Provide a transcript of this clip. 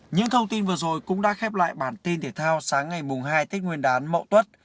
những thông tin vừa rồi cũng đã khép lại bản tin thể thao sáng ngày mùng hai tết nguyên đán mậu tuất